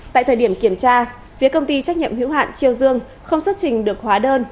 tại thời điểm kiểm tra phía công ty trách nhiệm hữu hạn triều dương không xuất trình được hóa đơn